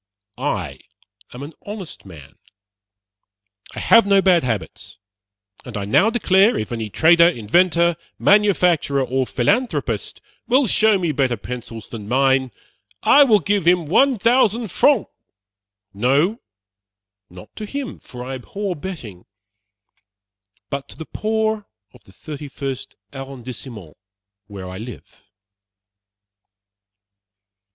I am an honest man. I have no bad habits; and I now declare, if any trader, inventor, manufacturer, or philanthropist will show me better pencils than mine, I will give him 1,000f. no, not to him, for I abhor betting but to the poor of the Thirty first Arrondissement, where I live."